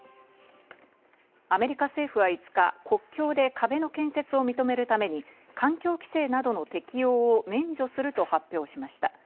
アメリカ政府は５日、国境で壁の建設を認めるために、環境規制などの適用を免除すると発表しました。